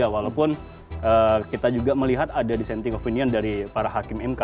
walaupun kita juga melihat ada dissenting opinion dari para hakim mk